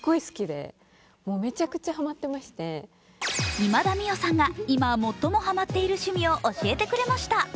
今田美桜さんが今最もハマっている趣味を教えてくれました。